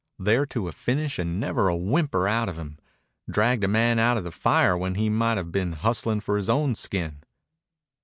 "There to a finish and never a whimper out of him. Dragged a man out of the fire when he might have been hustling for his own skin."